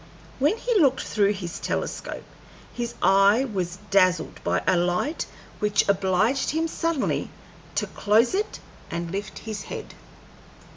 When he looked through his telescope his eye was dazzled by a light which obliged him suddenly to close it and lift his head.